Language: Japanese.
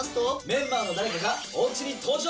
メンバーの誰かがおうちに登場。